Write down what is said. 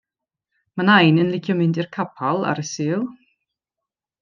Mae nain yn licio mynd i'r capal ar y Sul.